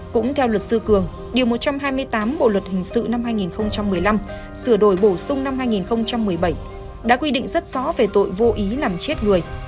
cũng theo luật sư cường điều một trăm hai mươi tám bộ luật hình sự năm hai nghìn một mươi năm đã quy định rất rõ về tội vô ý làm chết người